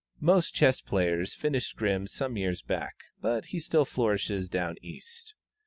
Most chess players finished Grimm some years back, but he still flourishes "down East."